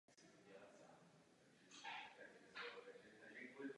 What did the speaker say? Měli bychom ovšem být opatrní.